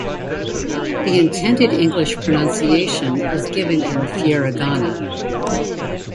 The intended English pronunciation is given in furigana.